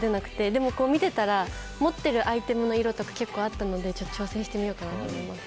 でも見てたら持ってるアイテムの色とか結構あったので挑戦してみようかなと思います。